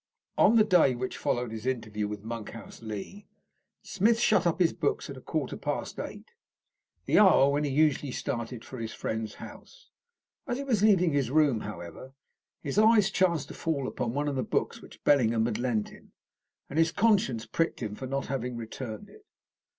On the day which followed his interview with Monkhouse Lee, Smith shut up his books at a quarter past eight, the hour when he usually started for his friend's house. As he was leaving his room, however, his eyes chanced to fall upon one of the books which Bellingham had lent him, and his conscience pricked him for not having returned it.